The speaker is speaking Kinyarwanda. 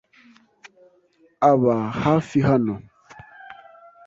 Aba hafi hano.